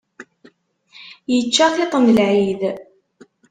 Ičča tiṭ n lɛid.